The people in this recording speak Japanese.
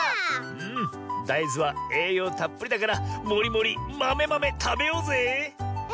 だいずはえいようたっぷりだからもりもりまめまめたべようぜえ。